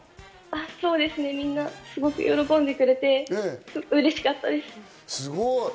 そうですね、みんな喜んでくれてうれしかったです。